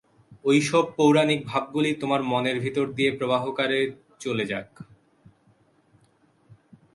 ঐ-সব পৌরাণিক ভাবগুলি তোমার মনের ভিতর দিয়ে প্রবাহকারে চলে যাক।